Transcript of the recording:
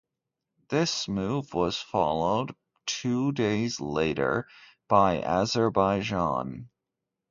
This move was followed two days later by Azerbaijan.